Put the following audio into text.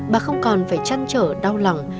bà không còn phải chăn trở đau lòng